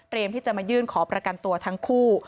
ที่จะมายื่นขอประกันตัวทั้งคู่